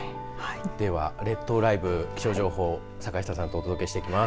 では、列島ライブ気象情報坂下さんとお届けしていきます。